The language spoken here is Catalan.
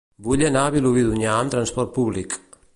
Vull anar a Vilobí d'Onyar amb trasport públic.